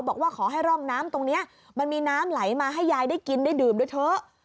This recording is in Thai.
บอกว่าขอให้ร่องน้ำตรงนี้มันมีน้ำไหลมาให้ยายได้กินได้ดื่มด้วยเถอะ